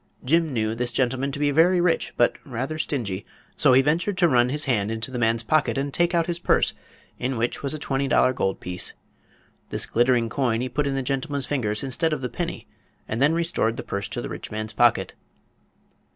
Jim knew this gentleman to be very rich but rather stingy, so he ventured to run his hand into the man's pocket and take out his purse, in which was a $20 gold piece. This glittering coin he put in the gentleman's fingers instead of the penny and then restored the purse to the rich man's pocket.